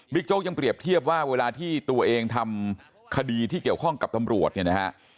โจ๊กยังเปรียบเทียบว่าเวลาที่ตัวเองทำคดีที่เกี่ยวข้องกับตำรวจเนี่ยนะฮะ